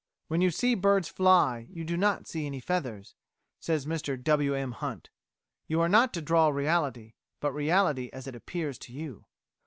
"When you see birds fly, you do not see any feathers," says Mr W. M. Hunt. "You are not to draw reality, but reality as it appears to you."